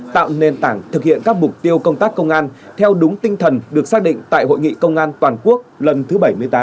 tạo nền tảng thực hiện các mục tiêu công tác công an theo đúng tinh thần được xác định tại hội nghị công an toàn quốc lần thứ bảy mươi tám